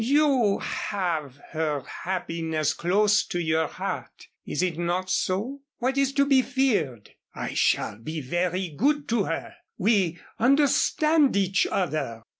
"You have her happiness close to your heart! Is it not so? What is to be feared? I shall be very good to her. We understand each other.